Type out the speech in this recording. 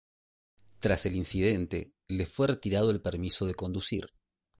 Tras el incidente, le fue retirado el permiso de conducir.